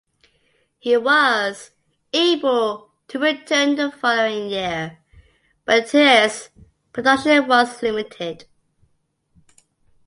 He was able to return the following year, but his production was limited.